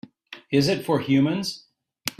Is it for humans?